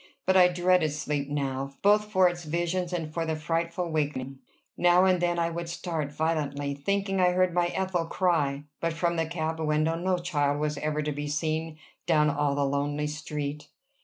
But I dreaded sleep now, both for its visions and for the frightful waking. Now and then I would start violently, thinking I heard my Ethel cry; but from the cab window no child was ever to be seen, down all the lonely street.